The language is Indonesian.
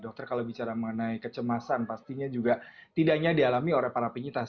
dokter kalau bicara mengenai kecemasan pastinya juga tidak hanya dialami oleh para penyintas